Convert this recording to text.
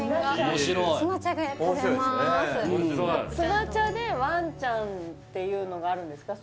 面白いスナチャでワンちゃんっていうのがあるんですか？